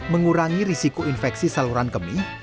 mengurangi risiko infeksi saluran kemih